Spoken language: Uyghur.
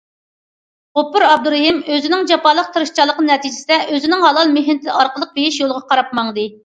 غوپۇر ئابدۇرېھىم ئۆزىنىڭ جاپالىق تىرىشچانلىقى نەتىجىسىدە ئۆزىنىڭ ھالال مېھنىتى ئارقىلىق بېيىش يولىغا قاراپ ماڭدى.